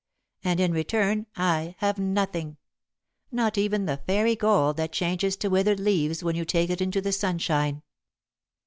And, in return, I have nothing not even the fairy gold that changes to withered leaves when you take it into the sunshine."